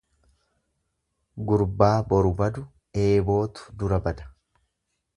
Gurbaa boru badu 'eebootu dura bada.